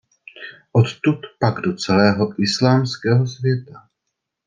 Odtud pak do celého islámského světa.